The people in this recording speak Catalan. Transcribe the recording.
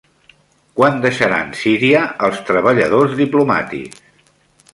Quan deixaran Síria els treballadors diplomàtics?